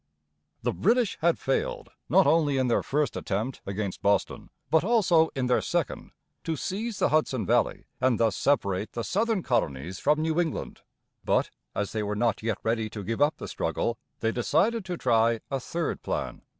The British had failed not only in their first attempt, against Boston, but also in their second, to seize the Hudson valley and thus separate the southern colonies from New England. But as they were not yet ready to give up the struggle, they decided to try a third plan.